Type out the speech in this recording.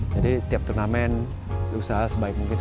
jadi tiap turnamen usaha sebaik mungkin